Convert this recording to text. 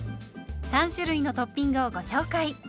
３種類のトッピングをご紹介。